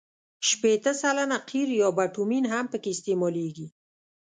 شپېته سلنه قیر یا بټومین هم پکې استعمالیږي